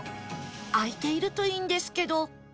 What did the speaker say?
開いているといいんですけど